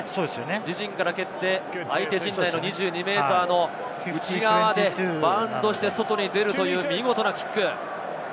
自陣から蹴って相手陣内の２２ｍの内側でバウンドして外に出るという見事なキック。